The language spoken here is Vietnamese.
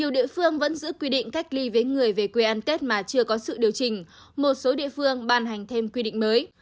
đi với người về quê ăn tết mà chưa có sự điều chỉnh một số địa phương ban hành thêm quy định mới